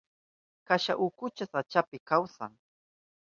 Kasha ukucha sachapi kawsan.